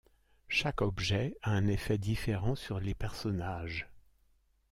Chaque objet a un effet différent sur les personnages.